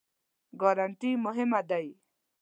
ګارنټي مهمه دی؟